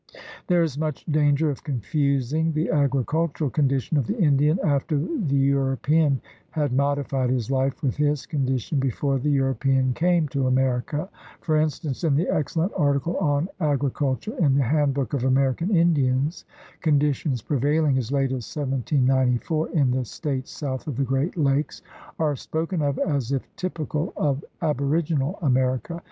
There is much danger of confusing the agricul tural condition of the Indian after the European had modified his hfe with his condition before the European came to America. For instance, in the excellent article on agriculture in the Handbook of American Indians, conditions prevaihng as late as 1794 in the States south of the Great Lakes are spoken of as if typical of aboriginal America.